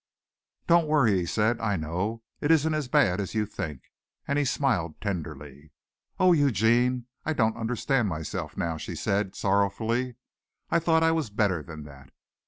"Don't worry," he said, "I know. It isn't as bad as you think." And he smiled tenderly. "Oh, Eugene, I don't understand myself now," she said sorrowfully. "I thought I was better than that."